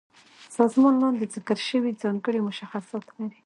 سازمان لاندې ذکر شوي ځانګړي مشخصات لري.